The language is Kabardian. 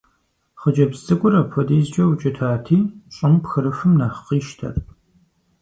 Хъыджэбз цӀыкӀур апхуэдизкӀэ укӀытати, щӀым пхырыхум нэхъ къищтэрт.